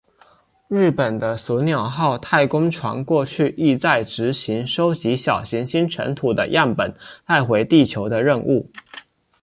日本的隼鸟号太空船过去亦在执行收集小行星尘土的样本带回地球的任务。